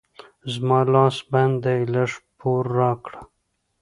زما لاس بند دی؛ لږ پور راکړه.